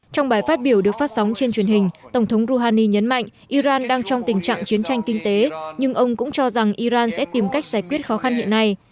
trong bài phát biểu được phát sóng trên truyền hình tổng thống rouhani nhấn mạnh iran đang trong tình trạng chiến tranh kinh tế nhưng ông cũng cho rằng iran sẽ tìm cách giải quyết khó khăn hiện nay